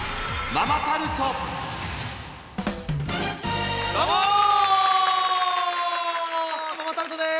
ママタルトです。